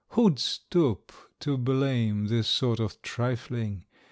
Who'd stoop to blame This sort of trifling?